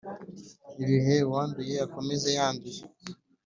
Ibh uwanduye akomeze yandure